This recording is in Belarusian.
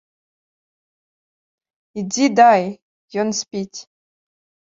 Ідзі дай, ён спіць.